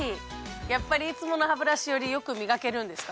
やっぱりいつものハブラシより良くみがけるんですか？